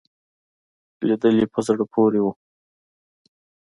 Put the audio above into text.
لیدلې په زړه پورې وو.